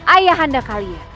ayah anda kalian